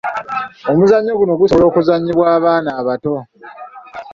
Omuzannyo guno gusobola okuzannyibwa abaana abato.